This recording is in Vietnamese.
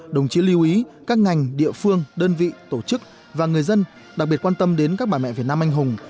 đồng chí lưu ý các ngành địa phương đơn vị tổ chức và người dân đặc biệt quan tâm đến các bà mẹ việt nam anh hùng